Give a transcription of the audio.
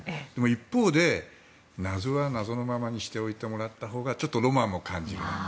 一方で謎は謎のままにしておいてもらったほうがちょっとロマンも感じるなと。